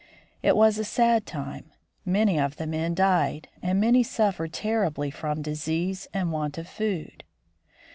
It was a sad time : many of the men died and many suffered terribly from disease and want of food.